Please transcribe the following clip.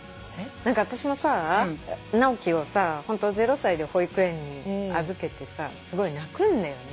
何か私もさ直樹をさホント０歳で保育園に預けてさすごい泣くんだよね。